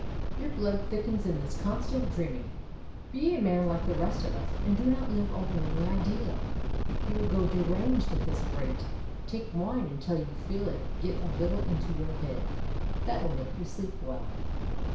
" Your blood thickens in this constant dreaming. Be a man like the rest of us, and do not live only in the ideal: you will go deranged at this rate. Take wine until you feel it get a little into your head; that will make you sleep well.